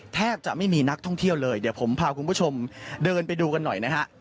แทบจะไม่มีนักท่องเที่ยวเลยเดี๋ยวผมพาคุณผู้ชมเดินไปดูกันหน่อยนะฮะ